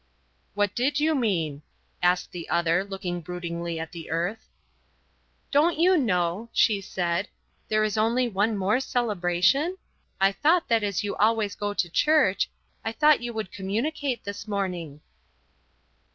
"What did you mean?" asked the other, looking broodingly at the earth. "Don't you know," she said, "there is only one more celebration? I thought that as you always go to church I thought you would communicate this morning."